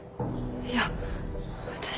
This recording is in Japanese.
いや私は。